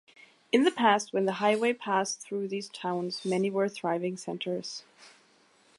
In the past when the highway passed through these towns, many were thriving centres.